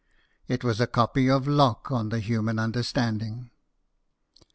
It was a copy of " Locke on the Human Understanding."